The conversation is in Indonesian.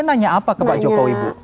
nanya apa ke pak jokowi bu